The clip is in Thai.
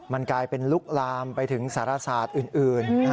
มันกลายเป็นลุกลามไปถึงสารศาสตร์อื่น